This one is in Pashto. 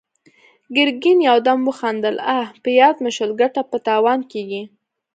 ګرګين يودم وخندل: اه! په ياد مې شول، ګټه په تاوان کېږي!